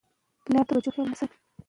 د ښو اخلاقو پالنه د ټولنې لپاره مهمه ده.